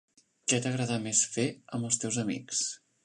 Què t'agrada més fer amb els teus amics?